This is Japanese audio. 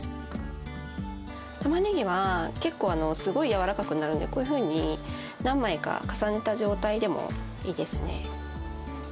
たまねぎは結構すごい柔らかくなるんでこういうふうに何枚か重ねた状態でもいいですね。